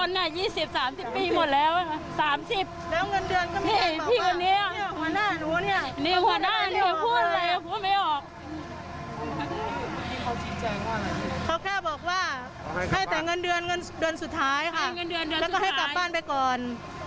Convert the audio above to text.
ให้แต่เงินเดือนสุดท้ายค่ะแล้วก็ให้กลับบ้านไปก่อน